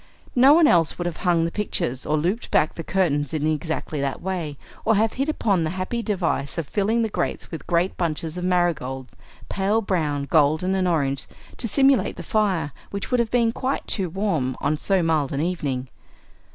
No one else would have hung the pictures or looped back the curtains in exactly that way, or have hit upon the happy device of filling the grate with a great bunch of marigolds, pale brown, golden, and orange, to simulate the fire, which would have been quite too warm on so mild an evening.